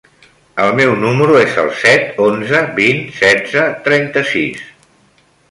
El meu número es el set, onze, vint, setze, trenta-sis.